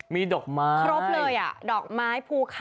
มีดอกไม้